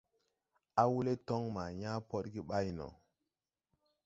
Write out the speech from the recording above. Awelɛ tɔŋ yãã pɔɗge ɓay no.